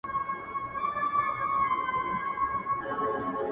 o دى وايي دا ـ